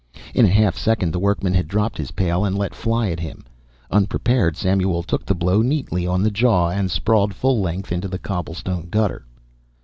In a half second the workman had dropped his pail and let fly at him. Unprepared, Samuel took the blow neatly on the jaw and sprawled full length into the cobblestone gutter.